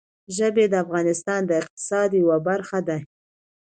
ژبې د افغانستان د اقتصاد یوه برخه ده.